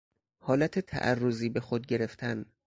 حالت تعرضی به خود گرفتن